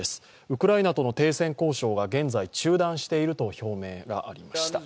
ウクライナとの停戦交渉が現在、中断していると表明がありました。